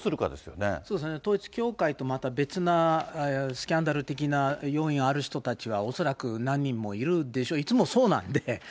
統一教会とまた別なスキャンダル的な要因ある人たちは恐らく何人もいるでしょう、いつもそうなんで。